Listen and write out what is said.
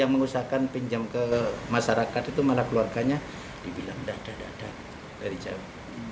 yang mengusahakan pinjam ke masyarakat itu malah keluarganya dibilang dada dada dari jauh